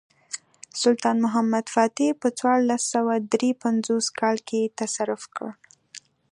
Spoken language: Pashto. سلطان محمد فاتح په څوارلس سوه درې پنځوس کال کې تصرف کړ.